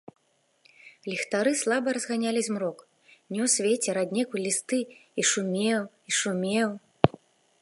Ліхтары слаба разганялі змрок, нёс вецер аднекуль лісты і шумеў і шумеў.